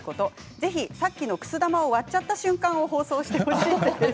ぜひさっきのくす玉を割っちゃった瞬間を放送してほしいです。